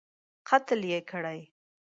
قتل یې کړی.